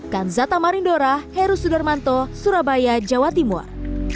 kanzata marindora heru sudarmanto surabaya jawa timur